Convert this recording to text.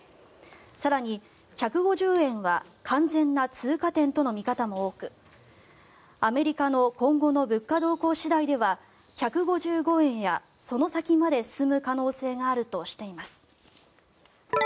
更に、１５０円は完全な通過点との見方も多くアメリカの今後の物価動向次第では１５５円や、その先まで進む可能性があるとしています。